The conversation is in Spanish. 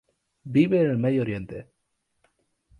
Vive en el Medio Oriente.